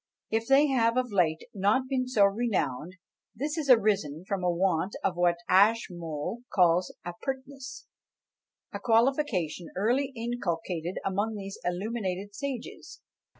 If they have of late not been so renowned, this has arisen from a want of what Ashmole calls "apertness;" a qualification early inculcated among these illuminated sages.